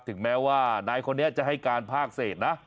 ถึงแม้ว่านายคนนี้จะให้การภาคเศษนะ